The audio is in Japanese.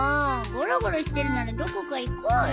ごろごろしてるならどこか行こうよ。